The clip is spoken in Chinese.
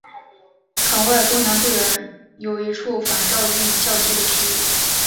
坑外东南不远有一处反照率较低的区域。